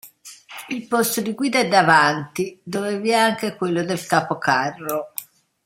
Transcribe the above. Il posto di guida è davanti, dove vi è anche quello del capocarro.